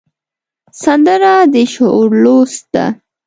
سندره د شعور لوست ده